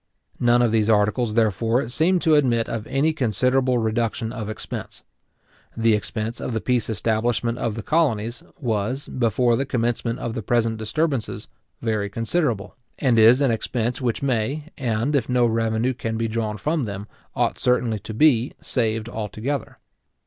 None of these articles, therefore, seem to admit of any considerable reduction of expense. The expense of the peace establishment of the colonies was, before the commencement of the present disturbances, very considerable, and is an expense which may, and, if no revenue can be drawn from them, ought certainly to be saved altogether.